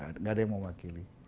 tidak ada yang mewakili